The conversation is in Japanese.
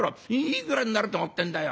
いくらになると思ってんだよ。